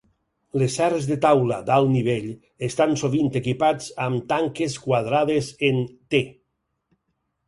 Les serres de taula d'alt nivell estan sovint equipats amb tanques Quadrades en T.